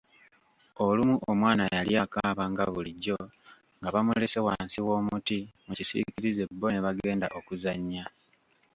Olumu omwana yali akaaba nga bulijjo, nga bamulese wansi w'omutti mu kisiikirize bbo ne bagenda okuzannya.